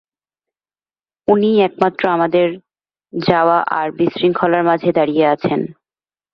উনিই একমাত্র আমাদের যাওয়া আর বিশৃঙ্খলার মাঝে দাঁড়িয়ে আছেন।